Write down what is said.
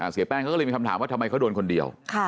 เสียแป้งเขาก็เลยมีคำถามว่าทำไมเขาโดนคนเดียว